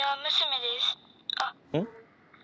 うん？